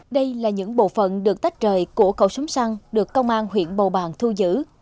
đây là những bộ phận được tách trời của cầu súng săn được công an huyện bào bàng thu giữ